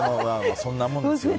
そんなものですよね。